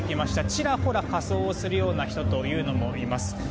ちらほら仮装をするような人もいます。